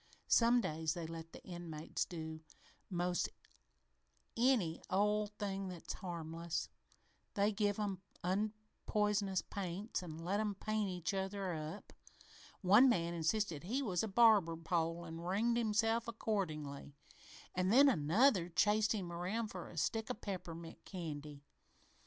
Some days they let the inmates do 'most any old thing that's harmless. They even give 'em unpoisonous paints an' let 'em paint each other up. One man insisted he was a barber pole an' ringed himself accordingly, an' then another chased him around for a stick of peppermint candy.